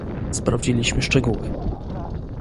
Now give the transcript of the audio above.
Sprawdziliśmy szczegóły